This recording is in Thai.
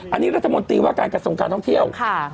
อันนี้รัฐมนตรีว่าการกระทรวงการท่องเที่ยวค่ะ